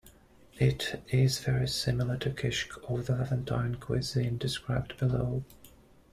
It is very similar to "kishk" of the Levantine cuisine described below.